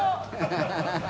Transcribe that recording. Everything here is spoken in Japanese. ハハハ